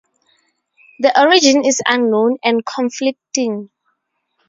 The origin is unknown and conflicting.